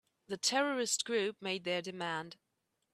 The terrorist group made their demand.